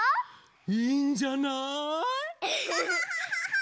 いいんじゃない？